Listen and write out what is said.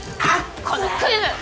このクズ！